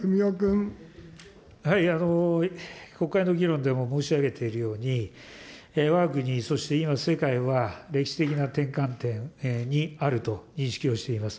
国会の議論でも申し上げているように、わが国、そして今、世界は歴史的な転換点にあると認識をしています。